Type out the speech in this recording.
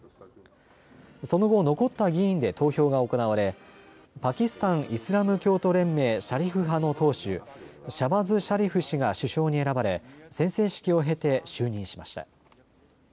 その後、残った議員で投票が行われ、パキスタン・イスラム教徒連盟シャリフ派の党首、シャバズ・シャリフ氏が首相に選ばれ宣誓式を経て就任しました。